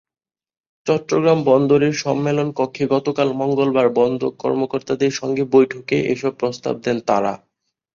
চট্টগ্রাম বন্দরের সম্মেলনকক্ষে গতকাল মঙ্গলবার বন্দর কর্মকর্তাদের সঙ্গে বৈঠকে এসব প্রস্তাব দেন তাঁরা।